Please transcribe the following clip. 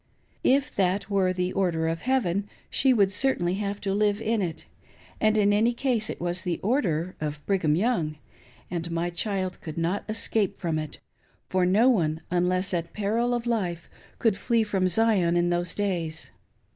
If that were the "Order" of "Heaven," she would certainly have to live in it ; and in any case it was the "order" of Brigham Young, and my child could not escape from it, for no one, unless at peril of life, could flee from Zion, in those days.